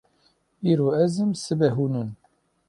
Îro ez im sibê hûn in